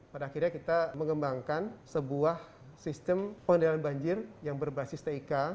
pada akhirnya kita mengembangkan sebuah sistem pengendalian banjir yang berbasis tik